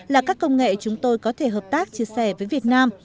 là các công nghệ chúng tôi có thể hợp tác chia sẻ với việt nam